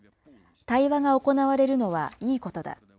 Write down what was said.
対話が行われるのはいいことだ。